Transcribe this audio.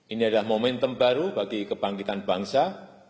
ini adalah momentum baru bagi kebangkitan bangsa